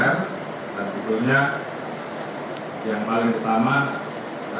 dan kebetulan yang paling utama adalah